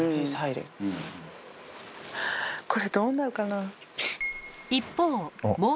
これ、どうなるかな。